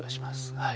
はい。